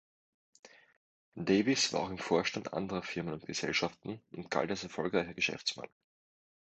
Davis war auch im Vorstand anderer Firmen und Gesellschaften und galt als erfolgreicher Geschäftsmann.